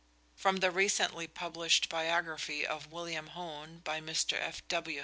From the recently published biography of William Hone by Mr. F.W.